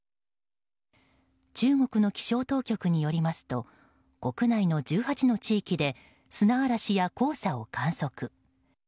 中国の気象当局によりますと国内の１８の地域で砂嵐や黄砂を観測。